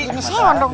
ini seon dong